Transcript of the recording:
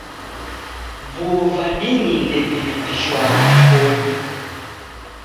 Vuo va dini ndevilipishwagha kodi.